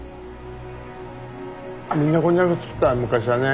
みんなこんにゃく作った昔はね。